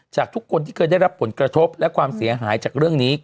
จากทุกคนที่เคยได้รับผลกระทบและความเสียหายจากเรื่องนี้